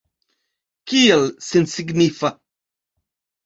Kial sensignifa?